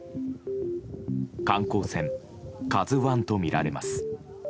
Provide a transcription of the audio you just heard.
観光船「ＫＡＺＵ１」とみられます。